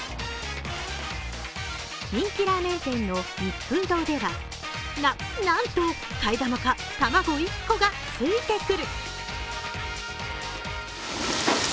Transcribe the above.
人気ラーメン店の一風堂では、な、なんと替え玉か玉子１個がついてくる。